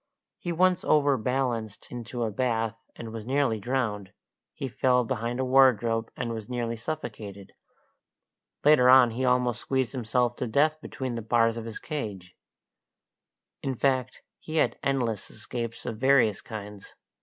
He once overbalanced into a bath, and was nearly drowned; he fell behind a wardrobe, and was nearly suffocated; later on he almost squeezed himself to death between the bars of his cage in fact, he had endless escapes of various kinds.